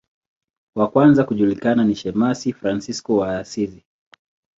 Wa kwanza kujulikana ni shemasi Fransisko wa Asizi.